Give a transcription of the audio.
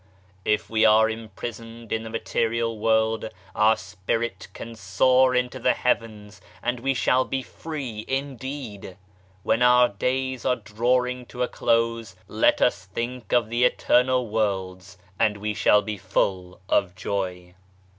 If we are imprisoned in the material world, our Spirit can soar into the Heavens and we shall be free indeed 1 When our days are drawing to a close let us think of the eternal worlds, and we shall be full of joy